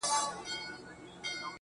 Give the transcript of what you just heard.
په زړه کي مي خبري د هغې د فريادي وې_